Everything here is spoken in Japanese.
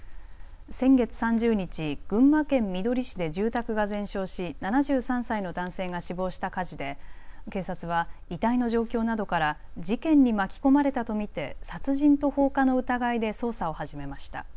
先月３０日、群馬県みどり市で住宅が全焼し７３歳の男性が死亡した火事で警察は遺体の状況などから事件に巻き込まれたと見て殺人と放火の疑いで捜査を始めました。